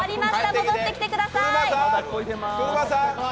戻ってきてください！